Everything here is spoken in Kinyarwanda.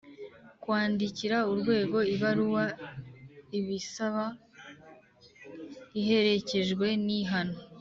kwandikira Urwego ibaruwa ibisaba iherekejwe nihana